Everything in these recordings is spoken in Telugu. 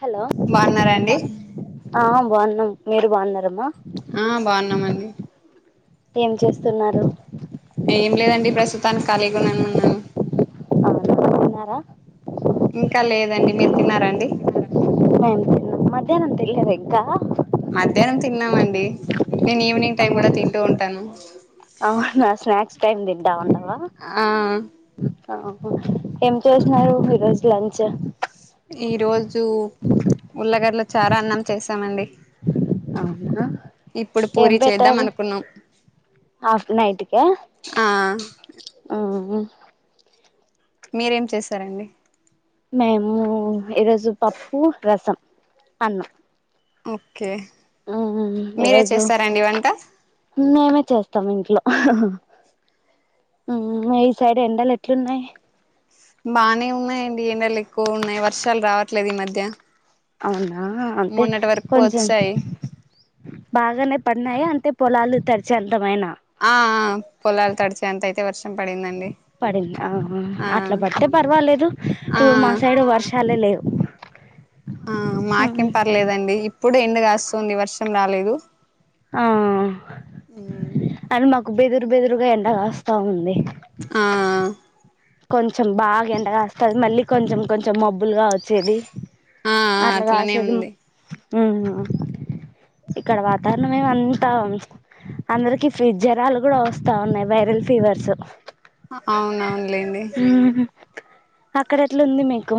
హలో బాగున్నారండి ఆ బాన్నం మీరు బాన్నారమ్మా ఆ బాన్నమండీ ఏం చేస్తున్నారు ఏం లేదండి ప్రస్తుతానికి ఖాళీగున్నానూ తిన్నారా ఇంకా లేదండి మీరు తిన్నారండి సాయంత్రమూ మధ్యాన్నం తిన్లేదా ఇంకా మధ్యాన్నం తిన్నామండి నేను ఈవినింగ్ ఆ టైం కూడా తింటూ ఉంటాను అవునా స్నాక్స్ టైమ్ తింటా ఉండవా ఆ ఆహు ఏం చేసినారు ఈరోజు లంచు ఈ రోజూ ఉల్లగడ్ల చార అన్నం చేసామండి అవునా ఇప్పుడు ఏం పూరి చేద్దాం చేత్తార్రు అనుకున్నాం ఆఫ్ నైటి కా ఆ ఊ ఉ మీరేం చేశారండి మేమూ ఈరోజు పప్పు రసం అన్నం ఒకే ఊ ఈరోజు మేమే చేస్తాం ఇంట్లో ఊ మీ సైడ్ ఎండలు ఎట్లున్నాయ్ బానే ఉన్నాయండి ఎండలు ఎక్కువ ఉన్నాయ్ వర్షాలు రావట్లేదు ఈ మధ్య అవునా అంటే మొన్నటి వరకు కొంచెం వచ్చాయి బాగానే పన్నాయ అంతే పొలాలు తరిచే అంతమైనా అ ఆ పొలాలు తడిచే అంత అయితే వర్షం పడిందండి పడిందా ఆ అట్ల పడితే పర్వాలేదు ఆ ఇప్పుడు మా సైడు వర్షాలే లేవు ఆ మాకేం పర్లేదండి ఇప్పుడు ఎండ కాస్సుంది వర్షం రాలేదు ఆ ఉ అయిన మాకు బెదురు బెదురుగా ఎండగాస్తా ఉంది ఆ కొంచెం బాగ ఎండగాస్తది మళ్ళీ కొంచెం కొంచెం మబ్బులుగా వచ్చేది ఆ ఆ అట్లనే అట్లగాసేది ఉంది ఉమ్ ఇక్కడ వాతావరణం మేమంతా అందరికి ఫీడ్ జరాలు కూడా వస్తా ఉన్నాయ్ వైరల్ ఫీవర్సు అవునవునులేండి ఊ అక్కడ ఎట్లుంది మీకు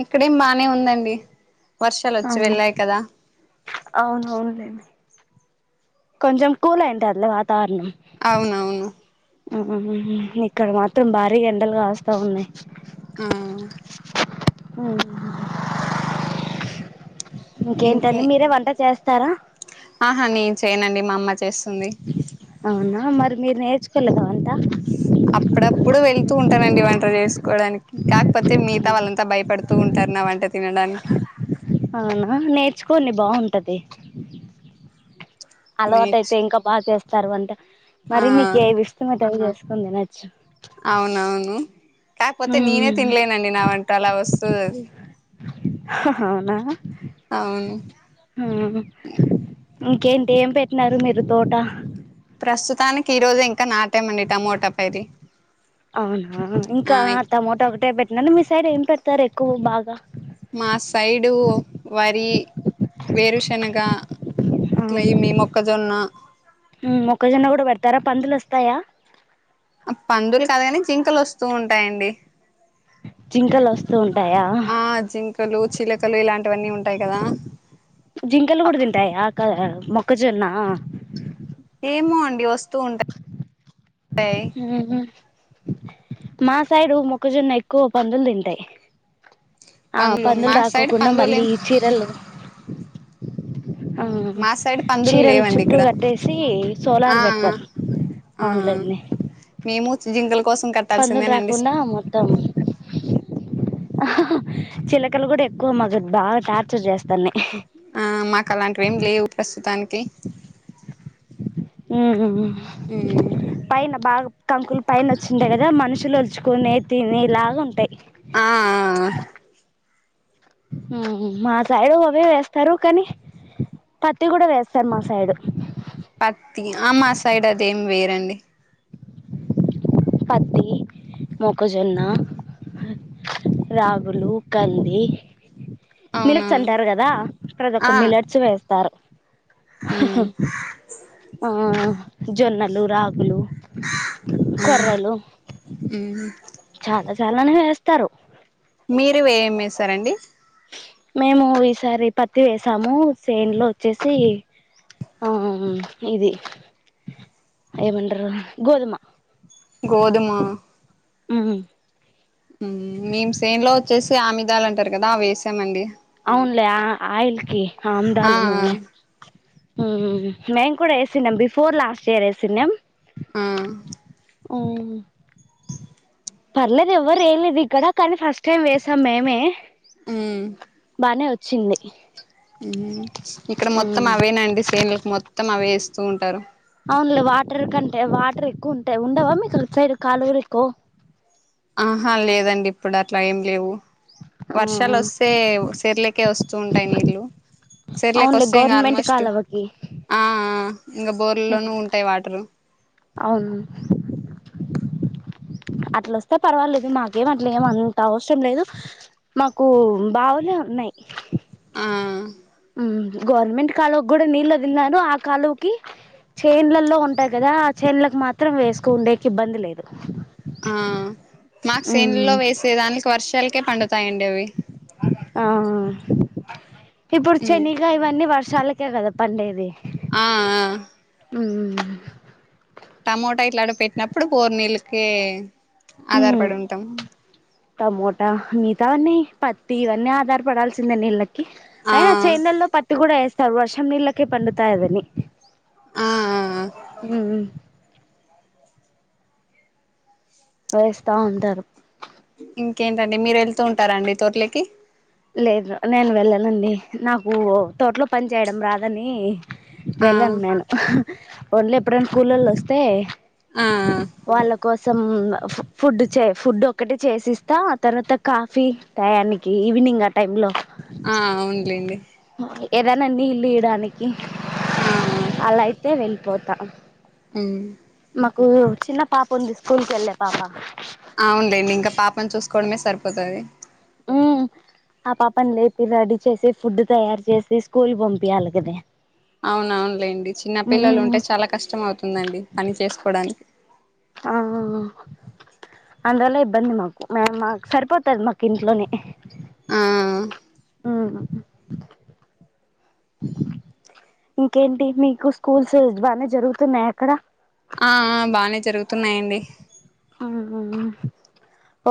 ఇక్కడేం బానే ఉందండి వర్షాలు వచ్చి అవును వెళ్ళాయి కదా అవునవునులేండి కొంచెం కూల్ అయింటాద్లే వాతావరణం అవునవును ఉమ్ ఇక్కడ మాత్రం భారీగ ఎండలు కాస్తా ఉన్నాయి ఉ ఇంకే ఇంకేంటండి మీరే వంట చేస్తారా ఆహా నేను చేయనండి మా అమ్మ చేస్తుంది అవునా మరి మీరు నేర్చుకోలేదా వంట అప్పుడప్పుడు వెళ్తూ ఉంటానండి వంట చేసుకోవడానికి కాకపోతే మిగతా వాళ్ళంతా భయపడుతూ ఉంటారు నా వంట తినడానికి అవునా నేర్చుకోండి బావుంటది అలవాటు అయితే నేర్చు ఇంకా బాగా చేస్తారు వంట ఆ మరి మీకు ఏమి ఇష్టమైతే అవి చేసుకునీ తినచ్చు అవునవును కాకపోతే నేనే తినలేనండి నా వంట అలా వస్తది అది అవునా అవును ఉ ఇంకేంటి ఏం పెట్టినారు మీరు తోట ప్రస్తుతానికి ఈరోజు ఇంకా నాటమండి టమోటా పరి అవునా ఇంకా టమోటా ఒకటే పెట్టినాను మీ సైడ్ ఏం పెడతారు ఎక్కువ బాగా మా సైడు వరి వేరుశనగ ఇట్లా ఈ మీ మొక్కజొన్న ఉమ్ మొక్కజొన్న కూడా పెడతారా పందులు వస్తాయా పందులు కాదుగాని జింకలు వస్తూ ఉంటాయండి జింకలు వస్తూ ఉంటాయా కలు చిలకలు ఇలాంటివన్నీ ఉంటాయి కదా జింకలు కూడా తింటాయ ఆక్క మొక్కజొన్న ఏమో అండి వస్తూ ఉంటాయి ఉ హూ మా సైడు మొక్కజొన్న ఎక్కువ పందులు తింటాయి ఆ పందులు మా సైడ్ రాకోకుండా పందులు మళ్ళీ చీరలు ఆ మా సైడ్ పందులు చీరలు లేవండి చుట్టూ ఇక్కడ కట్టేసి ఆ సోలార్ పెడతారు ఆ అవున్లేండి మేము జింకలు కోసం కట్ పందులు రాకుండా మొత్తం చిలకలు కూడా ఎక్కువ మాకు బాగా టార్చర్ చేస్తన్నాయ్ ఆ మాకు అలాంటివి ఏమి లేవు ప్రస్తుతానికి ఉహు ఉమ్ పైన బాగా కంకులు పైన వచ్చింటాయి కదా మనుషులు వలుచుకునే తినేలాగా ఉంటాయి ఆ ఆ ఉమ్ మాసైడ్ అవ్వే వేస్తారు కాని పత్తి కూడా వేస్తారు మా సైడు పత్తి ఆ మా సైడ్ అదేమి వేయ్యారండి పత్తి మొక్కజొన్నా రాగులు కంది మిలట్స్ అవునండి అంటారు కదా ప్రతి ఆ ఒక్క మిలట్స్ వేస్తారు ఉమ్ ఉ జొన్నలు రాగులు కొర్రలు ఉమ్ చాలా చాలానే వేస్తారు మీరు ఏం వేస్సరండి మేము ఈసారి పత్తి వేసాము సేన్లో వచ్చేసి ఆమ్ ఇది ఏమంట్రరు గోధుమ. గోధుమా మ్ మ్ మ్ మేం సేన్లోచ్చేసి ఆమిదాలంటారు కదా అవేసామండి అవున్లే ఆ ఆయిల్కి ఆ ఆమ్దాల నూనె ఉమ్ మేం కూడా ఎసిన్యం బిఫోర్ లాస్ట్ ఇయర్ ఎసిన్యం ఆ ఉమ్ పర్లేదు ఎవ్వరేయ్యలేదిక్కడ, కానీ ఫస్ట్ టైం వేసాం మేమె. ఉమ్ బానే ఒచ్చింది మ్ ఇక్కడ మొత్తం అవేనాండి సేన్ల్లు, మొత్తం అవే ఏస్తూ ఉంటారు. అవున్లే వాటర్ కంటే వాటరేక్కువున్టాయి ఉండవా? మీకు అట్ సైడ్ కాలువ రిక్కో. ఆహా లేదండిప్పుడు అట్లా ఏం లేవు ఆ వర్షాలోస్సే సెర్లకే వస్. సున్టాయ్ నీళ్లు అవునులే సెర్లోకోస్సే ఇంగ గవర్నమెంట్ ఆల్మోస్ట్ కాలవకి ఆ ఆ ఇంగ బోర్లోనూ ఉంటాయి వాటరు అవును అట్లోస్తే పర్వాలేదు మాకేం అట్లేమ్ అంత అవ్సరం లేదు మాకు బావులే ఉన్నాయి ఆ మ్ గవర్నమెంట్ కాల్వకూడా నీళ్ళు వదిల్నారు ఆ కాల్వకి. చేన్న్లల్లో ఉంటాయి కదా! ఆ చేన్లకు మాత్రం వేసుకోన్డేకి ఇబ్బంది లేదు. ఆ మాక్ ఉమ్ సేన్డ్లాలో వేసేదానికి వర్షాల్ ఆ ఇప్పుడు ఉమ్ చెనిగా ఇవన్నీ వర్. ర్షలకే కదా పండేది ఆ ఆ ఉమ్ టమోటా ఇట్లాటీవి పెట్టినప్పుడు బోర్ నీళ్ళకి ఉమ్ ఆధారపడి ఉంటామ్. టమోటా మితవన్నీ పత్తి ఇవన్నీ ఆధారపడాల్సిందె నీళ్ళ కి ఆ అయినా చేన్న్లల్లో పత్తి కూడా వేస్తారు వర్షం నీళ్ళకే పండుతాదని. ఆ ఉమ్ వేస్తా ఉంటారు ఇంకేంటండి మీరు ఏళ్తుంటారండి తోట్లోకి లేద్ర నేను వెళ్ళనండి నాకు తోట్లో పన్ చేయడం రాదని. ఆ వెళ్ళన్ నేను ఒల్లెప్పుడన్నా కూలోల్లోస్తే ఆ ఆ వాళ్ళ కోసం ఫు ఫుడ్ చే ఫుడ్ ఒక్కటే చేసిస్తా తర్వాత. కాఫీ టయానికి ఈవినింగ్ ఆ టైంలో ఆ అవున్లేండి ఏదన్నా నీళ్ల్లీ డానికి ఆ అలైతే వెళ్పోతా ఉమ్ మాకు చిన్న పాపున్ది స్కూల్కేళ్ళే పాప అవున్లెండి ఇంకా పాపన్ చూస్కోడమే సర్పోతది ఊ ఆ పాపను లేపి రెడీ చేసి ఫుడ్ తయారు చేసి స్కూల్ కి పంపియాలి కదే అవును అవునులేండి చిన్నపిల్లలు ఉమ్ ఉంటే చాలా కష్టం అవుతుందండి పని చేసుకోవడానికి ఆ ఆ అందువల్ల ఇబ్బంది మాకు మే మాకు సరిపోతది మాకు ఇంట్లోనే ఆ మ్మ్ ఇంకేంటి, మీకు స్కూల్స్ బానే జరుగుతున్నాయా అక్కడ ఆ ఆ బానే జరుగుతున్నాయండి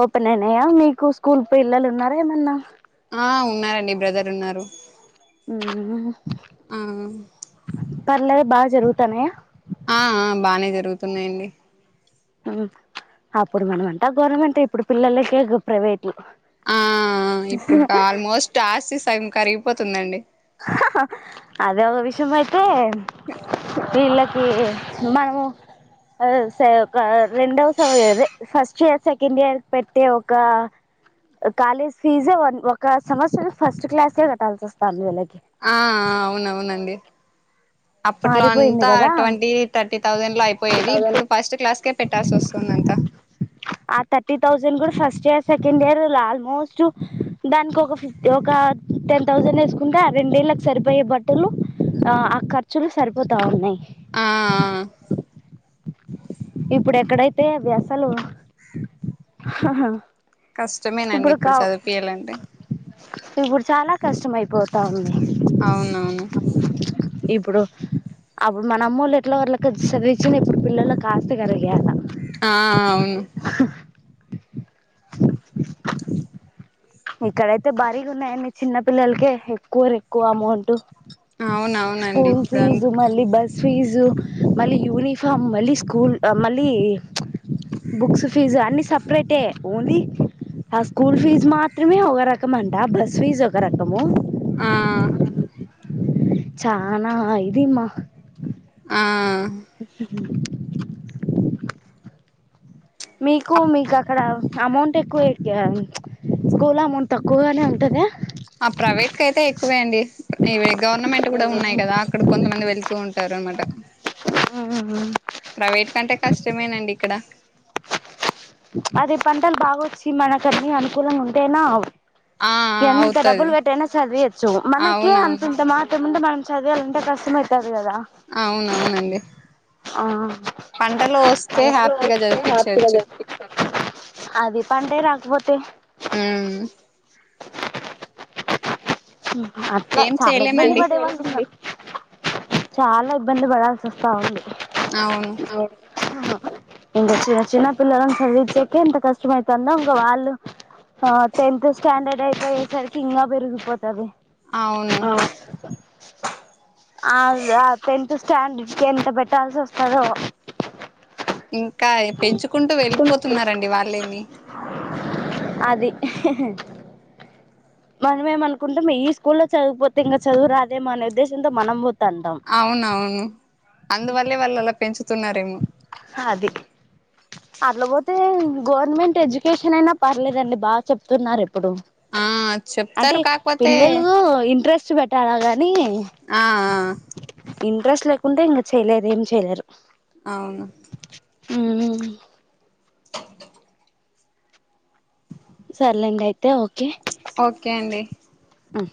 ఓపెన్ అయినయ్యా, మీకు స్కూల్ పిల్లలు ఉన్నారా ఏమన్నా ఆ ఉన్నారండి, బ్రదర్ ఉన్నారు. ఉమ్ ఆ పర్లేదు బాగా జరుగుతాన్నయ్యా ఆ ఆ బానే జరుగుతున్నయండి అప్పుడు మనమంతా గవర్నమెంటే ఇప్పుడు పిల్లలకే ప్రైవేట్లు ఆ ఇప్పుడుకి ఆల్మోస్ట్ ఆస్తి సగం కరిగిపోతుందండి హా హా అదే ఒక విషయం అయితే వీళ్ళ కి మనము స ర రెండవ సమయం అది ఫస్ట్ ఇయర్ సెకండ్ ఇయర్ కి పెట్టే ఒక కాలేజ్ ఫీజే ఒక సెమస్టర్ ఫస్ట్ క్లాస్సే కట్టాల్సివస్తాంది వీళ్ళకి. ఆ ఆ అవునవునండి అప్పట్లో మారిపోయింది అంతా కదా ట్వంటీ థర్టీ థౌజండ్ లో అయిపోయేది థౌసండ్ ఇప్పుడు ఫస్ట్ క్లాస్కే పెట్టాల్సి వస్తుంది అంత ఆ థర్టీ థౌసండ్ కూడా first year second year almost దానికి ఒక ఫిఫ్త్ ఒక టెన్ థౌజండ్ వేసుకుంటే ఆ రెండేళ్ళకు సరిపోయే బట్టలు ఆ ఆ ఖర్చులు సరిపోతా ఉన్నయ్ ఆ ఆ ఆ ఇప్పుడు ఎక్కడైతే అవి అసలు హా హా కష్టమేనండి ఇప్పుడు చదివిపియ్యాలంటే ఇప్పుడు చాలా కష్టమైపోతా ఉంది. అవునవును ఇప్పుడు అప్పుడు మన అమ్మోళ్లు ఎట్లాగొట్లాకి చదివించినా ఇప్పుడు పిల్లలకి ఆస్తి కరిగియ్యాల ఆ అవును హా ఇక్కడైతే భారీగా ఉన్నాయండి చిన్న పిల్లలకే ఎక్కువ ఎక్కువ అమౌంట్ అవునవునండి స్కూల్ ఇప్పుడు అన్ ఫీజు మళ్ళీ బస్ ఫీజు మళ్ళీ యూనిఫార్మ్ మళ్ళీ స్కూల్ మళ్ళీ బుక్స్ ఫీజు అన్ని సపరేటే ఓన్లీ ఆ స్కూల్ ఫీజు మాత్ త్రమే ఒక రకం అంటా బస్ ఫీజు ఒక రకము ఆ చానా ఇదీమ్మ ఆ మీకు మీకు అక్కడ అమౌంట్ ఎక్కువ అయితదా స్కూల్ అమౌంట్ తక్కువగానే ఉంటదా ఆ ప్రైవేట్ కైతే ఎక్కువే అండి ఇవి గవర్నమెంట్ కూడా ఉన్నాయి కదా అక్కడ కొంతమంది వెళ్ తూ ఉంటారన్నమాట ఊమ్ ప్రవేటు కంటే కష్టమేనండి ఇక్కడ అదే పంటలు బాగొచ్చి మనకన్నీ అనుకూలంగుంటేనావ్ ఆ ఆ ఎంత అవుతది డబ్బుల్ వెట్టైనా సదివియోచ్చు మనకే అవునవును అంతుంటె మాత్రం ముందు మనం చదివియాలంటే కష్టమైతాది గదా అవునవునండి ఆ పంటలు వొస్తే పంటలు హ్యాపీగా వస్తే హ్యాపీగా జదివిపిచ్చవచ్చు అది పంటే రాక్పోతే ఊ అట్లా ఏం చాలా ఇబ్బంది చేయలేమండి పడే వాళ్ళ్ వుంది చాలా ఇబ్బంది బడాల్సొస్తావుంది ఆవును ఒ అహహ ఇంగ చు చిన్న పిల్లలన్ చదివిచ్చేకే ఎంత కష్టమైతాందో ఇంగొ వాళ్ళు ఆ తెంతు స్టాండర్డ్ ఐపోయేసరికి ఇంగా బెరిగిపోతది అవును ఆవ్యా టెన్త్ స్టాండర్డ్ కి ఎంత బెట్టాల్సొస్తదో ఇంకా పెంచుకుంటూ వెళ్ళిపోతున్నారండి వాళ్ళేమి అది మనమేం అనుకుంటం ఈ స్కూల్లో చదువుక్పోతే ఇంగ చదువురాదేమొ అనే ఉద్దేశంతో మనం బోతాంటం అవునవును అందువల్లే వాళ్ళు అలా పెంచుతున్నారేమో హ అది అట్లబోతే గవర్నమెంట్ ఎజ్యుకేషన్ ఐనా పర్లేదండి బాగ్ చెప్తున్నారు ఇప్పుడు ఆ అంటే చెప్తారు కాకపోతే పిల్లలూ ఇంట్రెస్ట్ బెట్టాల గానీ ఆ ఆ ఇంట్రెస్ట్ లేకుంటే ఇంగ చెయ్లేర్ ఏం చెయ్లేరు అవును ఉ సర్లేండైతే ఓకే ఓకే అండి అ